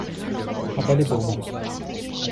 A bas les Bourbons!